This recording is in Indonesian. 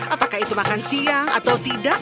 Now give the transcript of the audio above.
apakah itu makan siang atau tidak